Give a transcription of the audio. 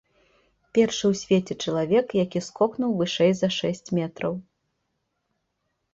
Першы ў свеце чалавек, які скокнуў вышэй за шэсць метраў.